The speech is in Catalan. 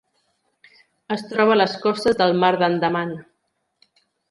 Es troba a les costes del Mar d'Andaman.